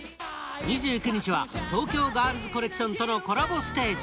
２９日は東京ガールズコレクションとのコラボステージ。